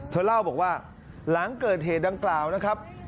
เธอเล่าบอกว่าหลังเกิดเหตุดังกล่าวนะครับ